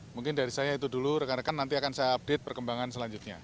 mungkin dari saya itu dulu rekan rekan nanti akan saya update perkembangan selanjutnya